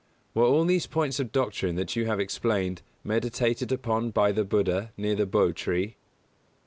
_Were all these points of Doctrine that you have explained meditated upon by the Buddha near the Bo tree?